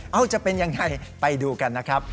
เอาจะเป็นยังไงไปดูกันนะครับ